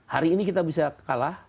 hari ini kita bisa kalah